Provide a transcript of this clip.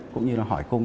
cũng như là hỏi cung